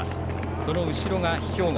その後ろ、兵庫。